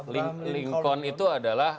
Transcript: linkon itu adalah